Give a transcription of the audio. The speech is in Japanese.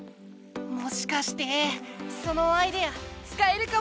もしかしてそのアイデアつかえるかも。